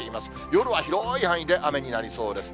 夜は広い範囲で雨になりそうです。